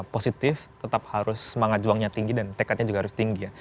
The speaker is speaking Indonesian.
positif tetap harus semangat juangnya tinggi dan tekadnya juga harus tinggi ya